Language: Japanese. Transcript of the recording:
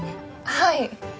はい。